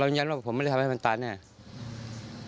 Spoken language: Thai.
ยืนยันว่าผมไม่ได้ทำให้มันตายแน่